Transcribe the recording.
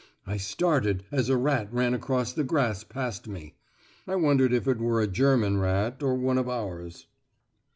I started as a rat ran across the grass past me. I wondered if it were a German rat, or one of ours.